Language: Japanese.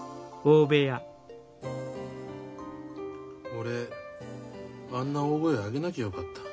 俺あんな大声上げなきゃよかった。